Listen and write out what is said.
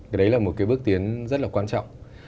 cái đấy là một cái bước tiến rất là quan trọng